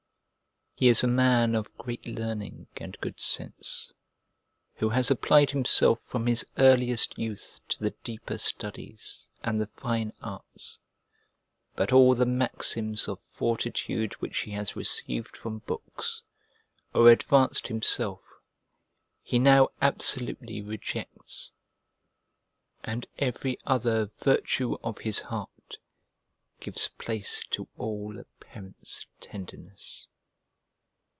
He is a man of great learning and good sense, who has applied himself from his earliest youth to the deeper studies and the fine arts, but all the maxims of fortitude which he has received from books, or advanced himself, he now absolutely rejects, and every other virtue of his heart gives place to all a parent's tenderness.